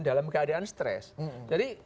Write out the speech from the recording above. dalam keadaan stress jadi